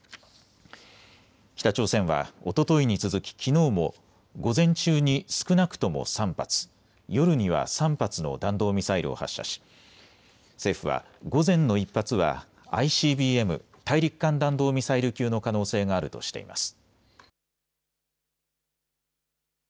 北朝鮮はおとといに続ききのうも午前中に少なくとも３発、夜には３発の弾道ミサイルを発射し政府は、午前の１発はＩＣＢＭ・大陸間弾道ミサイル級の可能性があるとしています。